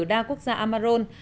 đa quốc gia amarone